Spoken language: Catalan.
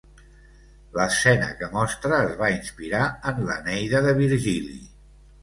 L'escena que mostra es va inspirar en l'Eneida de Virgili.